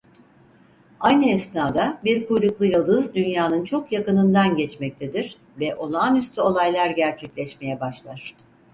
Aynı esnada bir kuyruklu yıldız dünyanın çok yakınından geçmektedir ve olağanüstü olaylar gerçekleşmeye başlar.